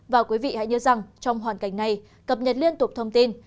và quý vị hãy nhớ rằng trong hoàn cảnh này cập nhật liên tục thông tin